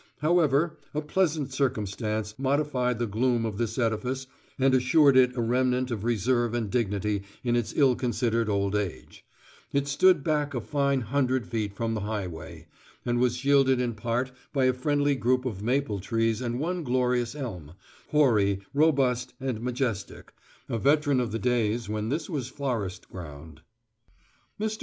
However, a pleasant circumstance modified the gloom of this edifice and assured it a remnant of reserve and dignity in its ill considered old age: it stood back a fine hundred feet from the highway, and was shielded in part by a friendly group of maple trees and one glorious elm, hoary, robust, and majestic, a veteran of the days when this was forest ground. Mr.